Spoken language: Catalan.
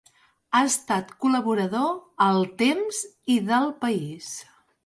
Ha estat col·laborador a El Temps i d'El País.